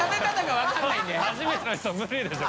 福初めての人無理でしょ。